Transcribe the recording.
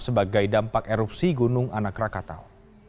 sebagai dampak erupsi gunung anak rakatau